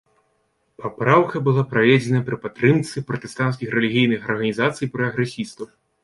Папраўка была праведзена пры падтрымцы пратэстанцкіх рэлігійных арганізацый і прагрэсістаў.